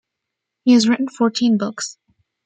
He has written fourteen books.